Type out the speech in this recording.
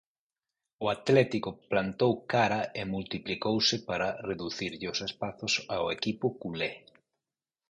O Atlético plantou cara e multiplicouse para reducirlle os espazos ao equipo culé.